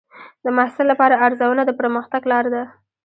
د محصل لپاره ارزونه د پرمختګ لار ده.